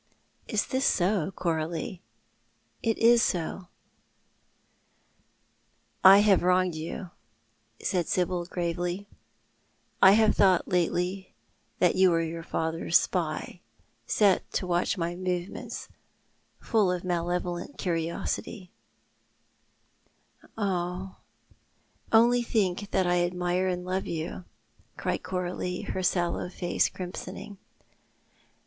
" Is this so, Coralie ?" "It is so." " I have wronged you," said Sibyl, gravely. " I have thought lately that you were your father's spy, set to watch my movements, full of malevolent curiosity "" Oh, only think that I admire and love you," cried Coralie, her sallow face crimsoning.